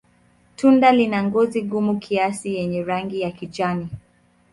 Tunda lina ngozi gumu kiasi yenye rangi ya kijani.